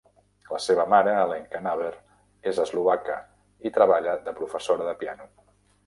La seva mare, Alenka Naber, és eslovaca i treballa de professora de piano.